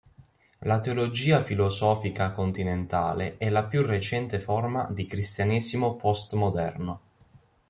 La teologia filosofica continentale è la più recente forma di cristianesimo postmoderno.